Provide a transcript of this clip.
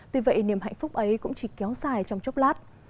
tuy vậy niềm hạnh phúc ấy cũng chỉ kéo dài trong chốc lát